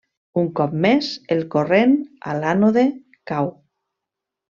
Un cop més, el corrent a l'ànode cau.